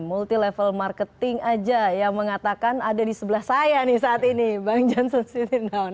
multi level marketing aja yang mengatakan ada di sebelah saya nih saat ini bang johnson siti noun